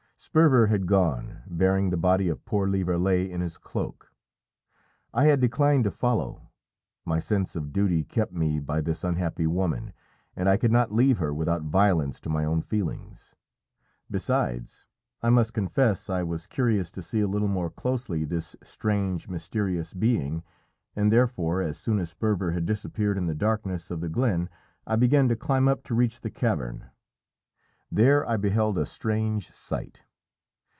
Sperver had gone, bearing the body of poor Lieverlé in his cloak. I had declined to follow; my sense of duty kept me by this unhappy woman, and I could not leave her without violence to my own feelings. Besides, I must confess I was curious to see a little more closely this strange mysterious being, and therefore as soon as Sperver had disappeared in the darkness of the glen I began to climb up to reach the cavern. There I beheld a strange sight.